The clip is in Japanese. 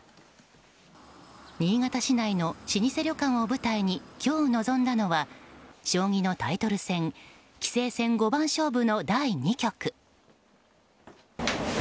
新潟市内の老舗旅館を舞台に今日臨んだのは将棋のタイトル戦棋聖戦五番勝負の第２局。